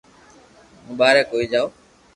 ھون ٻاري ڪوئي جاو